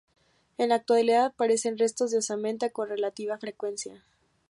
En la actualidad aparecen restos de osamenta con relativa frecuencia.